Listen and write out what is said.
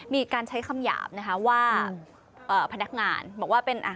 มีการใช้คำหยาบนะคะว่าเอ่อพนักงานบอกว่าเป็นอ่ะ